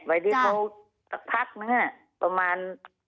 ไปที่เขาสักพักนึงประมาณ